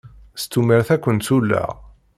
S tumert ay kent-ulleɣ.